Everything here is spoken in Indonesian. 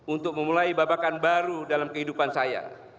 untuk memulai babakan baru dalam kehidupan saya